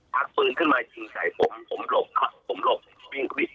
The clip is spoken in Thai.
ปืนขึ้นมายิงใส่ผมผมหลบผมหลบวิ่งควิด